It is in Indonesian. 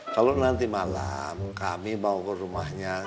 kalau nanti malam kami bawa ke rumahnya